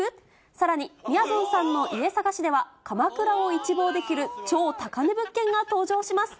さらにみやぞんさんの家探しでは、鎌倉を一望できる超高値物件が登場します。